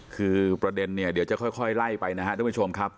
คือประเด็นเดี๋ยวจะค่อยไล่ไปนะค่าท่านผู้ชมครับ